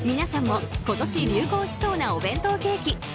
皆さんも今年、流行しそうなお弁当ケーキ。